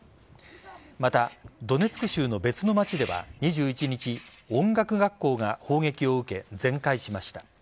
また、ドネツク州の別の町では２１日音楽学校が砲撃を受け全壊しました。